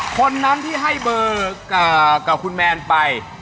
คนนั้นที่ให้เบอร์กับคุณแมนไป